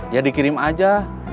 ya dikirim aja